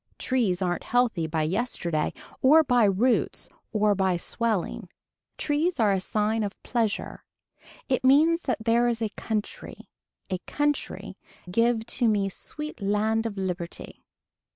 Trees aren't healthy by yesterday or by roots or by swelling. Trees are a sign of pleasure. It means that there is a country. A country give to me sweet land of liberty.